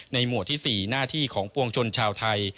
หมวดที่๔หน้าที่ของปวงชนชาวไทย